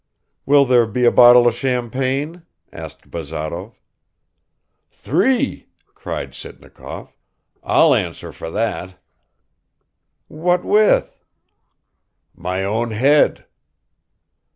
"Will there be a bottle of champagne?" asked Bazarov. "Three!" cried Sitnikov, "I'll answer for that." "What with?" "My own head."